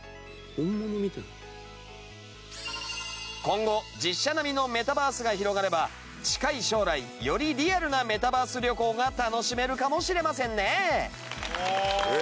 今後実写並みのメタバースが広がれば近い将来よりリアルなメタバース旅行が楽しめるかもしれませんね！